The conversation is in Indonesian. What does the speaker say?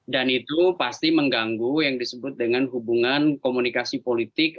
dan itu pasti mengganggu yang disebut dengan hubungan komunikasi politik